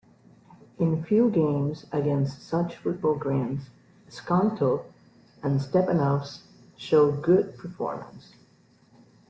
In few games against such football grands, Skonto and Stepanovs showed good performance.